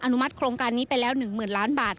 นุมัติโครงการนี้ไปแล้ว๑๐๐๐ล้านบาท